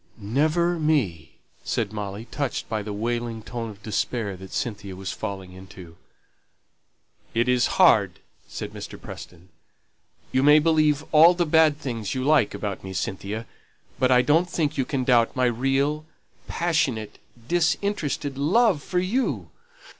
"Never me," said Molly, touched by the wailing tone of despair that Cynthia was falling into. "It is hard," said Mr. Preston. "You may believe all the bad things you like about me, Cynthia, but I don't think you can doubt my real, passionate, disinterested love for you."